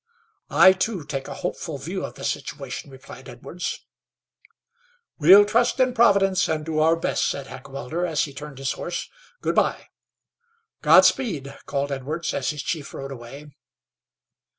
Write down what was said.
"I, too, take a hopeful view of the situation," replied Edwards. "We'll trust in Providence, and do our best," said Heckewelder, as he turned his horse. "Good by." "Godspeed!" called Edwards, as his chief rode away.